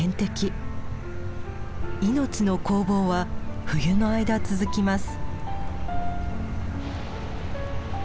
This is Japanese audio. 命の攻防は冬の間続きます。